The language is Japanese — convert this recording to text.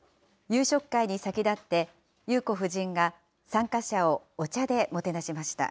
夕食会に先立って、裕子夫人が参加者をお茶でもてなしました。